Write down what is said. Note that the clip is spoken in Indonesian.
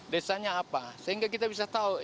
desanya apa sehingga kita bisa tahu